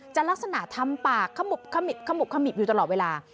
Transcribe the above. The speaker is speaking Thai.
ลักษณะทำปากขมุบขมิบขมุบขมิบอยู่ตลอดเวลา